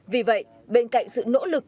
vì vậy bên cạnh sự nỗ lực